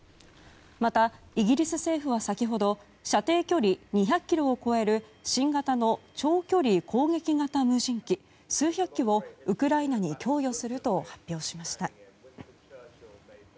また、イギリス政府は先ほど射程距離２００ｋｍを超える新型の長距離攻撃型無人機数百機をウクライナに供与すると発表しました。